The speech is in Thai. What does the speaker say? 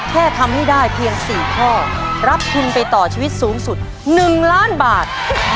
แค่ทำให้ได้เพียง๔ข้อรับทุนไปต่อชีวิตสูงสุด๑ล้านบาท